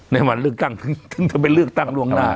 ในวันเลือกตั้งถึงจะไปเลือกตั้งล่วงหน้า